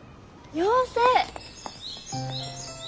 妖精！